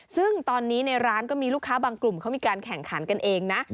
ซึ่งตอนนี้ในร้านก็มีลูกค้าบางกลุ่มเขามีการแข่งขันกันเองนะ